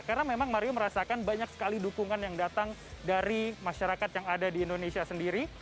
karena memang mario merasakan banyak sekali dukungan yang datang dari masyarakat yang ada di indonesia sendiri